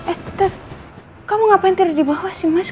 eh terus kamu ngapain tidur di bawah sih mas